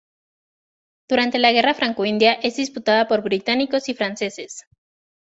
Durante la Guerra franco-india es disputada por británicos y franceses.